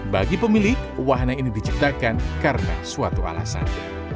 bagi pemilik wahana ini diciptakan karena suatu alasan